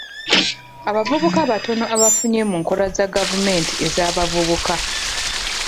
Abavubuka batono abafunye mu nkola za gavumenti ez'abavubuka.